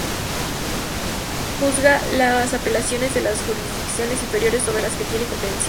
Juzga las apelaciones de las jurisdicciones inferiores sobre las que tiene competencia.